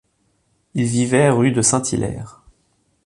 Il vivait rue de Saint-Hilaire.